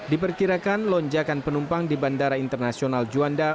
diperkirakan lonjakan penumpang di bandara internasional juanda